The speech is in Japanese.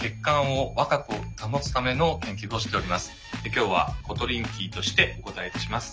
今日はコトリンキーとしてお答えいたします。